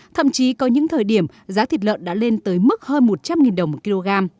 thậm chí có những thời điểm giá thịt lợn đã lên tới mức hơn một trăm linh đồng một kg